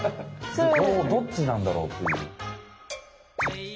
どっちなんだろうっていう。